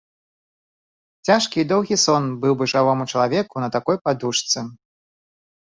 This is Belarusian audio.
Цяжкі і доўгі сон быў бы жывому чалавеку на такой падушцы.